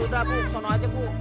udah ibu ke sana aja bu